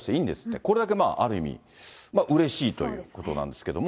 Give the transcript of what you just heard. これだけある意味うれしいということなんですけれども。